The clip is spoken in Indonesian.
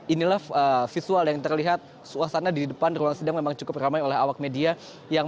inilah visual yang terlihat suasana di depan ruang sidang memang cukup ramai oleh awak media